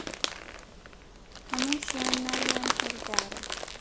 هەمووشیان ناویان هەر دارە